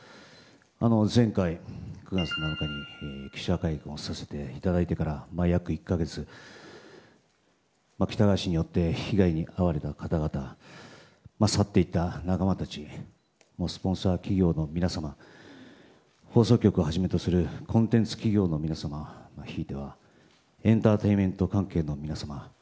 前回、９月の７日に記者会見させていただいてから約１か月、喜多川氏によって被害に遭われた方々去っていった仲間たちスポンサー企業の皆様放送局をはじめとするコンテンツ企業の皆様ひいてはエンターテインメント関係の皆様。